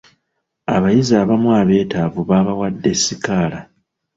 Abayizi abamu abetaavu baabawadde sikaala.